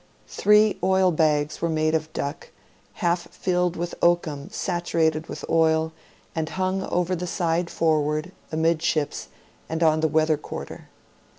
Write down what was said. Three oil bags were made of duck, half filled with oakum saturated with oil, and hung over the side forward, amidships, and on the weather quarter.